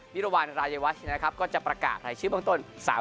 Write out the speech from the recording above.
มีระวันรายวัศนะครับก็จะประกาศหลายชื่อบางตอน๓๐คน